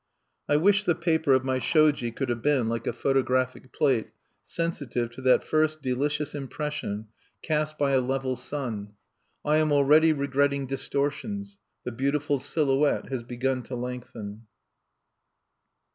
I wish the paper of my shoji could have been, like a photographic plate, sensitive to that first delicious impression cast by a level sun. I am already regretting distortions: the beautiful silhouette has begun to lengthen.